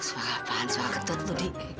suara apaan suara kentut dik